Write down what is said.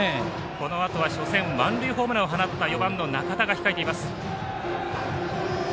このあとは初戦満塁ホームランを放った４番、仲田が控えています。